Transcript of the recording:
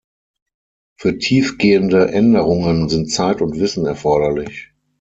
Für tiefgehende Änderungen sind Zeit und Wissen erforderlich.